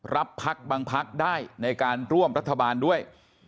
พักบางพักได้ในการร่วมรัฐบาลด้วย